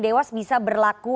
dewasa bisa berlaku